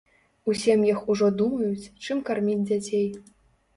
У сем'ях ужо думаюць, чым карміць дзяцей.